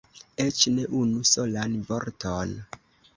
Eĉ ne unu solan vorton!